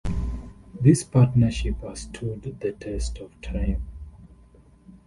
This partnership has stood the test of time.